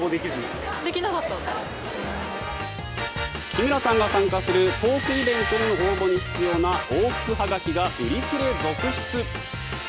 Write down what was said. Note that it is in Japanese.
木村さんが参加するトークイベントの応募に必要な往復はがきが売り切れ続出。